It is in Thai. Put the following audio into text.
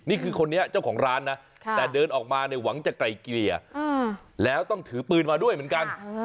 คนนี้เจ้าของร้านนะแต่เดินออกมาเนี่ยหวังจะไกลเกลี่ยแล้วต้องถือปืนมาด้วยเหมือนกัน